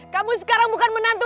kamu sekarang bukan menantu